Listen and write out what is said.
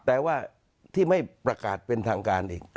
แต่ว่าที่ไม่ประกาศเป็นทางการอีก